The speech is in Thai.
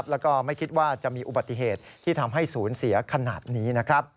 แล้วก็ไม่คิดว่าจะมีอุบัติเหตุที่ทำให้ศูนย์เสียขนาดนี้นะครับ